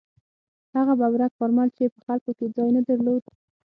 هغه ببرک کارمل چې په خلکو کې ځای نه درلود.